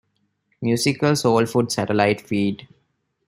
Musical Soul Food satellite feed.